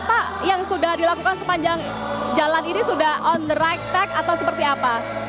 pak sukop melihatnya apa yang sudah dilakukan sepanjang jalan ini sudah on the right track atau seperti apa